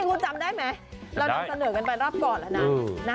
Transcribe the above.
คุณจำได้ไหมเราต้องเสนอกันไปรับกรอบละนะ